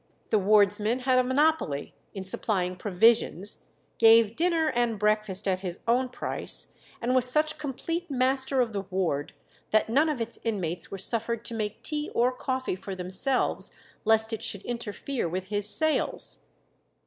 The wardsman had a monopoly in supplying provisions, gave dinner and breakfast at his own price, and was such complete master of the ward that none of its inmates were suffered to make tea or coffee for themselves lest it should interfere with his sales.